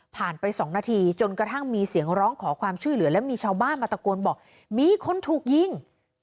ไป๒นาทีจนกระทั่งมีเสียงร้องขอความช่วยเหลือและมีชาวบ้านมาตะโกนบอกมีคนถูกยิง